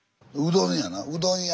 うどん屋。